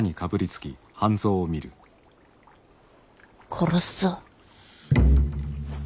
殺すぞ。